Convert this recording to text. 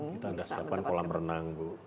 kita sudah siapkan kolam renang bu